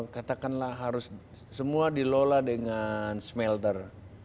katakanlah harus semua dilola dengan smelter